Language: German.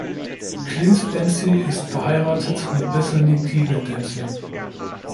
Clint Dempsey ist verheiratet mit Bethany Keegan Dempsey.